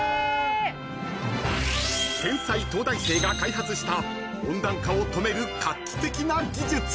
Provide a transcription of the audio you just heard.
［天才東大生が開発した温暖化を止める画期的な技術］